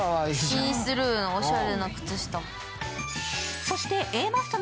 シースルーのおしゃれな靴下。